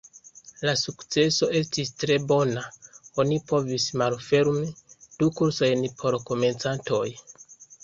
La sukceso estis tre bona; oni povis malfermi du kursojn por komencantoj.